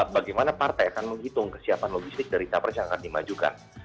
bagaimana partai akan menghitung kesiapan logistik dari capres yang akan dimajukan